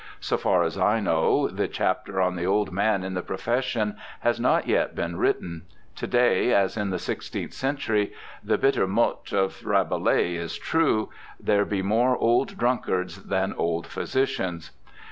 So far as I know, the chapter on the old man in the profession has not yet been written. To day, as in the sixteenth century, the bitter mot of Rabelais is true: 'There be more old drunkards than old physicians.'